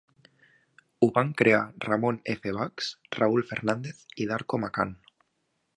Ho van crear Ramon F. Bachs, Raul Fernandez i Darko Macan.